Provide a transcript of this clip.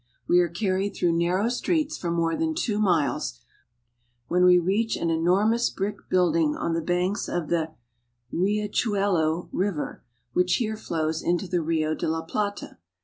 We are carried through narrow streets for more than two miles, when we reach an enormous brick building on the banks of the Riachuelo river, which here flows into the Rio de la Plata.